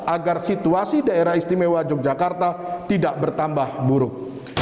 agar situasi daerah istimewa yogyakarta tidak bertambah buruk